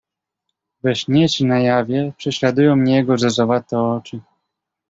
"We śnie czy na jawie prześladują mnie jego zezowate oczy."